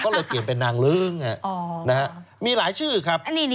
ก็เลยเปลี่ยนเป็นนางเลิ้งมีหลายชื่อครับ